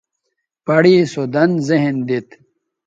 پڑےسو دَن ذہن دیت